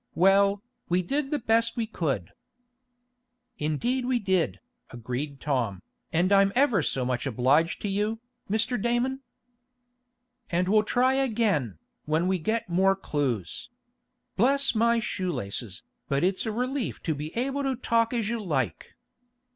Well, we did the best we could." "Indeed we did," agreed Tom, "and I'm ever so much obliged to you, Mr. Damon." "And we'll try again, when we get more clues. Bless my shoelaces! but it's a relief to be able to talk as you like."